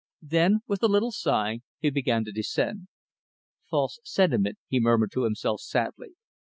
Then, with a little sigh, he began to descend. "False sentiment," he murmured to himself sadly.